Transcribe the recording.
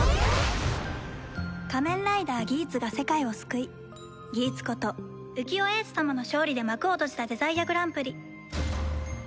仮面ライダーギーツが世界を救いギーツこと浮世英寿様の勝利で幕を閉じたデザイアグランプリ